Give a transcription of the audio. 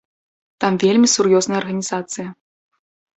Там вельмі сур'ёзная арганізацыя.